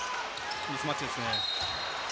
ミスマッチですね。